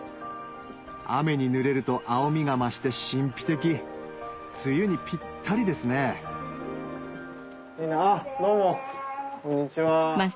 雨に濡れると青みが増して神秘的梅雨にピッタリですねどうもこんにちは。